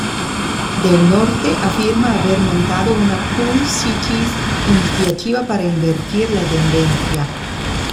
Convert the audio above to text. Del norte afirma haber montado una "Cool Cities" iniciativa para invertir la tendencia.